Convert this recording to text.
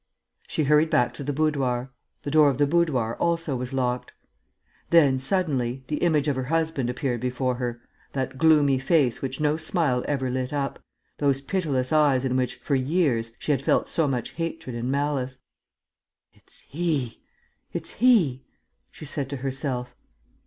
She hurried back to the boudoir. The door of the boudoir also was locked. Then, suddenly, the image of her husband appeared before her, that gloomy face which no smile ever lit up, those pitiless eyes in which, for years, she had felt so much hatred and malice. "It's he ... it's he!" she said to herself.